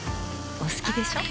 お好きでしょ。